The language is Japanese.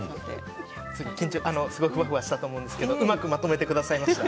すごくふわふわしたと思うんですけれどもうまく、まとめてくださいました。